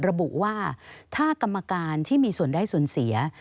ระบุว่าถ้ากรรมการที่มีส่วนได้ส่วนเสีย